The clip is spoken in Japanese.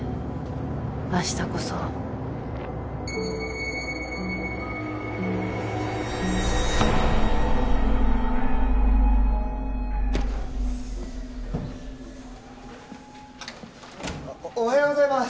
明日こそおっおはようございます